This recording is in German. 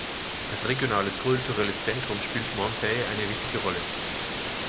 Als regionales kulturelles Zentrum spielt Monthey eine wichtige Rolle.